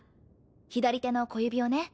左手の小指をね